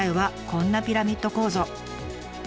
こんなピラミッド構造。